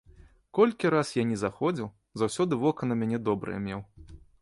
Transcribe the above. Колькі раз я ні заходзіў, заўсёды вока на мяне добрае меў.